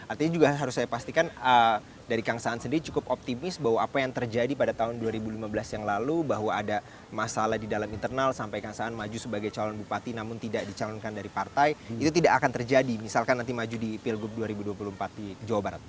artinya juga harus saya pastikan dari kang saan sendiri cukup optimis bahwa apa yang terjadi pada tahun dua ribu lima belas yang lalu bahwa ada masalah di dalam internal sampai kang saan maju sebagai calon bupati namun tidak dicalonkan dari partai itu tidak akan terjadi misalkan nanti maju di pilgub dua ribu dua puluh empat di jawa barat